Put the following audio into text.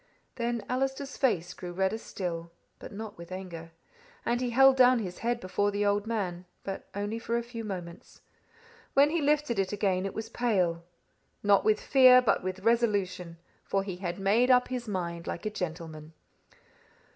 "Then Allister's face grew redder still, but not with anger, and he held down his head before the old man, but only for a few moments. When he lifted it again, it was pale, not with fear but with resolution, for he had made up his mind like a gentleman.